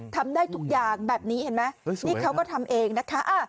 ทำได้ทุกอย่างแบบนี้เห็นไหมนี่เขาก็ทำเองนะคะ